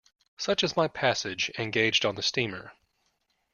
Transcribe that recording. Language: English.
Such is my passage engaged on the steamer.